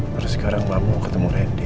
terus sekarang mama mau ketemu randy